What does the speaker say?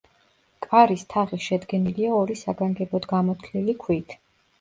კარის თაღი შედგენილია ორი საგანგებოდ გამოთლილი ქვით.